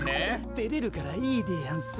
てれるからいいでやんす。